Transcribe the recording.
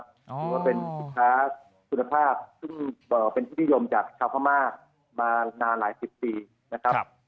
ถือว่าเป็นสินค้าคุณภาพซึ่งเป็นที่นิยมจากชาวพม่ามานานหลายสิบปีนะครับ